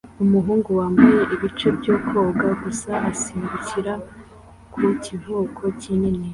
Umuhungu wambaye ibice byo koga gusa asimbukira ku kivuko kinini